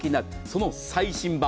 その最新版。